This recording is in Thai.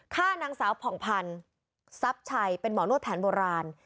ฆ่านางสาวผ่องพันธ์ซับชัยเป็นหมอโน้ตแผนโบราณ